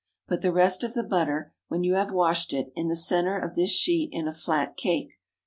Put the rest of the butter, when you have washed it, in the centre of this sheet, in a flat cake.